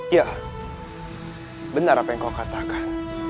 ya benar apa yang kau katakan